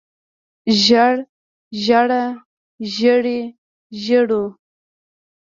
زېړ زېړه زېړې زېړو